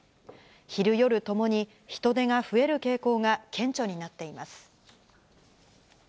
昼、夜ともに人出が増える傾向が顕著になっています。